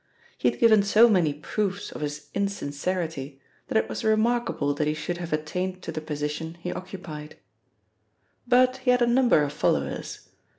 He had given so many proofs of his insincerity that it was remarkable that he should have attained to the position he occupied. But he had a number of followers.